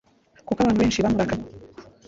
kuko abantu benshi bamurakanye.